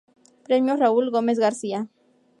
Premios Raúl Gómez García.